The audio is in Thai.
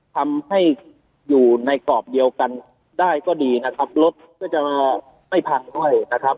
ทำให้อยู่ในกรอบเดียวกันได้ก็ดีนะครับรถก็จะไม่พังด้วยนะครับ